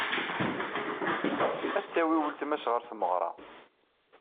Ad d-tawey weltma-s ɣer tmeɣra.